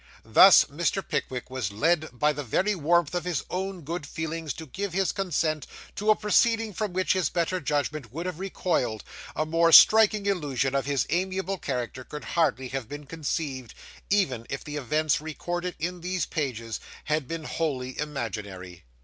Thus Mr. Pickwick was led by the very warmth of his own good feelings to give his consent to a proceeding from which his better judgment would have recoiled a more striking illustration of his amiable character could hardly have been conceived, even if the events recorded in these pages had been wholly imaginary.